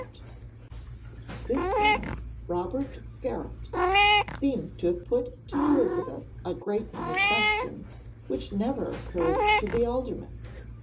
This man, Robert Scarrat, seems to have put to Elizabeth a great many questions which never occurred to the Alderman.